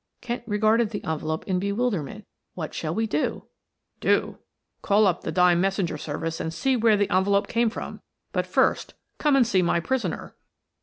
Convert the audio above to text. Kent regarded the envelope in bewilderment. "What shall we do?" "Do? Call up the Dime Messenger Service and see where the envelope came from; but first come and see my prisoner.